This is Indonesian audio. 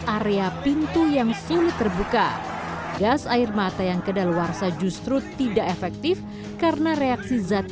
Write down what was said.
area pintu yang sulit terbuka gas air mata yang kedaluarsa justru tidak efektif karena reaksi zat